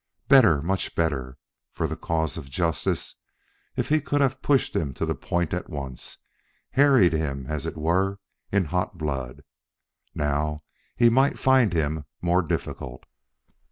Better, much better, for the cause of justice, if he could have pushed him to the point at once, harried him, as it were, in hot blood. Now he might find him more difficult.